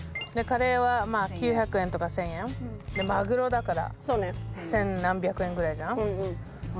カレーはまぁ９００円とか１０００円？でマグロだから千何百円ぐらいじゃん。